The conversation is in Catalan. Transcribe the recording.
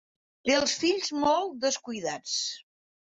Té els fills molt descuidats.